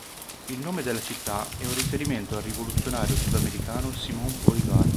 Il nome della città è un riferimento al rivoluzionario sudamericano Simón Bolívar.